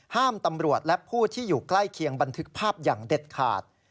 ตำรวจและผู้ที่อยู่ใกล้เคียงบันทึกภาพอย่างเด็ดขาด